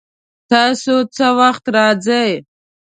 تاسو څه وخت راځئ؟